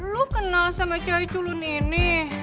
lo kenal sama cewek culun ini